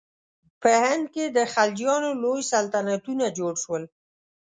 په هند کې د خلجیانو لوی سلطنتونه جوړ شول.